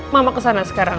mama kesana sekarang